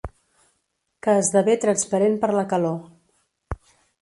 Que esdevé transparent per la calor.